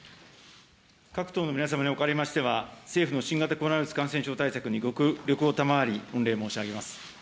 各党の皆様におかれましては、政府の新型コロナウイルス感染症対策にご協力を賜り御礼申し上げます。